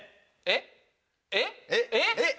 えっえっ？